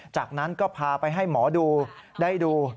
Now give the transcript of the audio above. จากนั้นก็พาไปให้หมอดูได้ดู